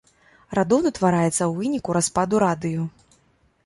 Радон утвараецца ў выніку распаду радыю.